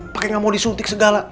pakai nggak mau disuntik segala